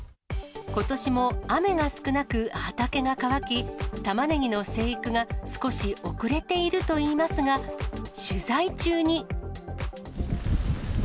ことしも雨が少なく、畑が乾き、たまねぎの生育が少し遅れているといいますが、取材中に。